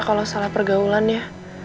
kalau salah pergaulan ya